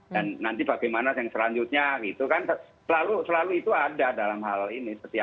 dan nanti bagaimana yang selanjutnya gitu kan selalu itu ada dalam hal ini